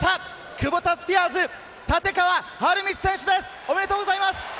クボタスピアーズ・立川理道選手です、おめでとうございます！